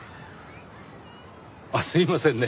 あっすいませんね